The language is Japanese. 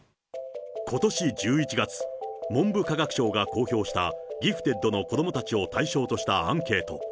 ことし１１月、文部科学省が公表したギフテッドの子どもたちを対象としたアンケート。